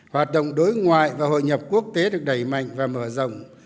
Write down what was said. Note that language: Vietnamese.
hoạt động đối ngoại và hội nhập quốc tế được đẩy mạnh và mở rộng